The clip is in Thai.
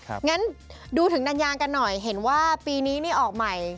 งั้นดูถึงนานยางกันหน่อยเห็นว่าปีนี้นี่ออกใหม่